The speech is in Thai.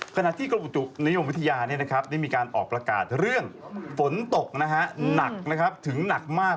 ขณะที่กรมอุตุนิยมวิทยาได้มีการออกประกาศเรื่องฝนตกหนักถึงหนักมาก